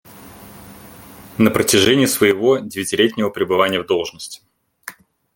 На протяжении своего девятилетнего пребывания в должности.